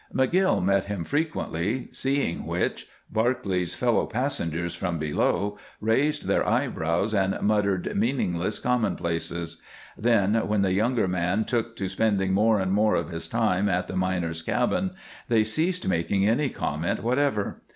McGill met him frequently, seeing which Barclay's fellow passengers from below raised their eyebrows and muttered meaningless commonplaces; then, when the younger man took to spending more and more of his time at the miner's cabin, they ceased making any comment whatever.